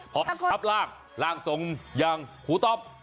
เธอฝับตราบล่างล่างทรงยังขูต้ม